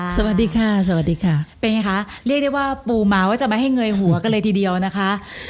สวัสดีค่ะสวัสดีค่ะเป็นไงคะเรียกได้ว่าปูมาว่าจะไม่ให้เงยหัวกันเลยทีเดียวนะคะ